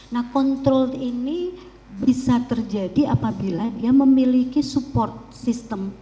nah kontrol ini bisa terjadi apabila dia memiliki support system